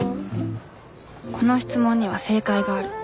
この質問には正解がある。